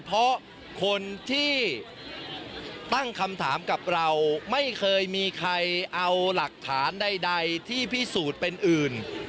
เพราะคนที่ตั้งคำถามกับเราไม่เคยมีใครเอาหลักฐานใดที่พิสูจน์เป็นอื่น